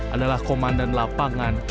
adalah komandan lapangan